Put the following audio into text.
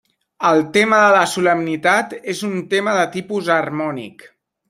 El tema de la solemnitat és un tema de tipus harmònic.